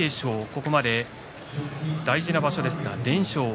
ここまで大事な場所ですが連勝。